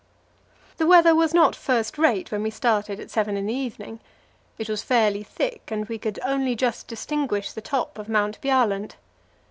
The weather was not first rate when we started at seven in the evening. It was fairly thick, and we could only just distinguish the top of Mount Bjaaland.